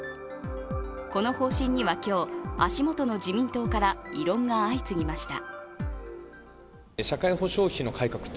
この方針には今日、足元の自民党から異論が相次ぎました。